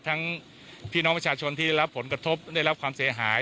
พี่น้องประชาชนที่รับผลกระทบได้รับความเสียหาย